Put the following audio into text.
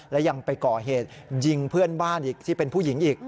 และยังไปก่อเหตุยิงเพื่อนบ้านอีกที่เป็นผู้หญิงอีก